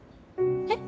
えっ？